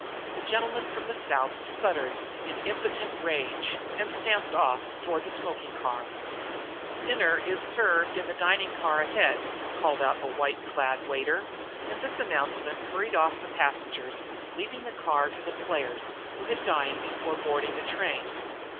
The gentleman from the South sputtered in impotent rage and stamped off toward the smoking car. "Dinner served in the dining car ahead," called out a white clad waiter; and this announcement hurried off the passengers, leaving the car to the players, who had dined before boarding the train.